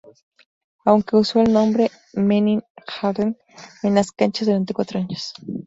Aunque usó el nombre "Henin-Hardenne" en las canchas durante cuatro años.